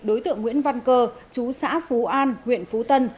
đối tượng nguyễn văn cơ chú xã phú an huyện phú tân